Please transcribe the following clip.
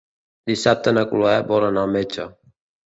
Dissabte na Cloè vol anar al metge.